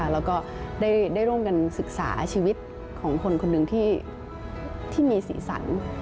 แล้วก็ได้ร่วมกันศึกษาชีวิตของคนคนหนึ่งที่มีสีสัน